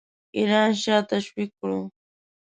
ایران شاه تشویق کړو.